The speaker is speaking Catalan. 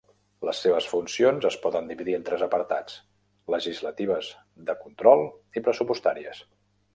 Les seves funcions es poden dividir en tres apartats: legislatives, de control i pressupostàries.